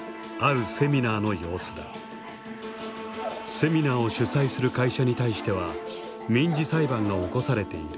セミナーを主催する会社に対しては民事裁判が起こされている。